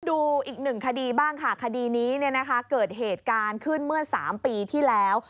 ดูอีกหนึ่งคดีบ้างค่ะคดีนี้เกิดเหตุการณ์ขึ้นเมื่อ๓ปีที่แล้ว